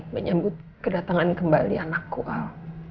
menyambut kedatangan kembali anakku al